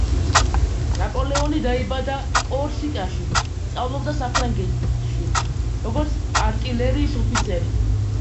ნაპოლეინი დაიბადა კორსიკაში, სწავლობდა საფრანგეთში, როგორც არტილერიის ოფიცერი.